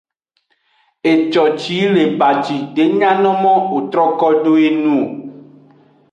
Eco ci yi le baji de nyano mo wo troko do eye nu.